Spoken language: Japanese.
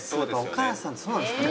お母さんってそうなんですかね。